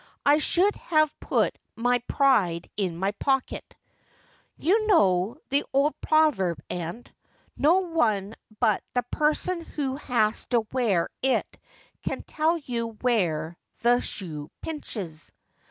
I should have put my pride in my pocket.' ' You know the old proverb, aunt. No one but the person who has to wear it can tell you where, the shoe pinches.'